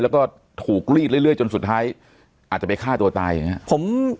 แล้วก็ถูกรีดเรื่อยจนสุดท้ายอาจจะไปฆ่าตัวตายอย่างนี้